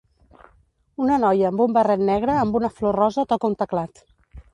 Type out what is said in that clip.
Una noia amb un barret negre amb una flor rosa toca un teclat.